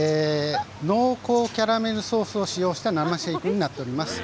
こちらの生シェイクは濃厚キャラメルソースを使用した生シェイクになっております。